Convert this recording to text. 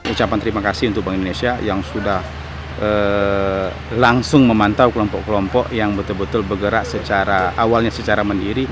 ucapan terima kasih untuk bank indonesia yang sudah langsung memantau kelompok kelompok yang betul betul bergerak secara awalnya secara mandiri